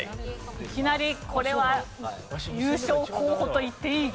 いきなりこれは優勝候補と言っていい激突ですね。